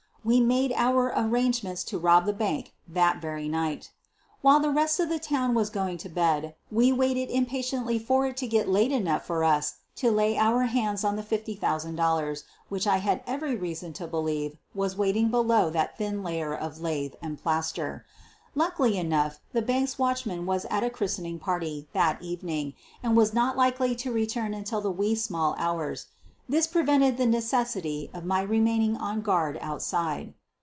We made our arrange ments to rob the bank that very night. While the rest of the town was going to bed we waited impatiently for it to get late enough for us to lay our hands on the $50,000 which I had every reason to believe was waiting below that thin layer of lath and plaster. Luckily enough the bank's watchman was at a christening party that evening and was not likely to return until the wee small hours. This prevented the necessity of my remain ing on guard outside.